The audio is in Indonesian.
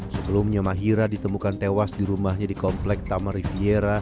sebelumnya mahira ditemukan tewas di rumahnya di komplek tamarindir